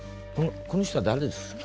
この人は誰ですか？